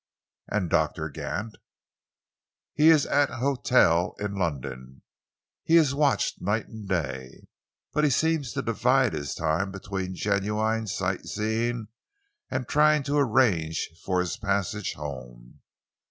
"And Doctor Gant?" "He is at an hotel in London. He is watched night and day, but he seems to divide his time between genuine sight seeing and trying to arrange for his passage home.